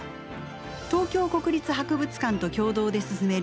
東京国立博物館と共同で進める